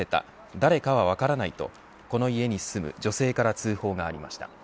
誰かは分からないとこの家に住む女性から通報がありました。